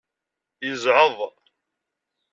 Yezɛeḍ.